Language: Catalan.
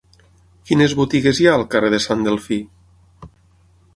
Quines botigues hi ha al carrer de Sant Delfí?